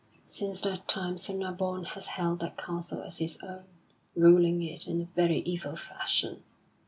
Since that time Sir Nabon has held that castle as his own, ruling it in a very evil fashion.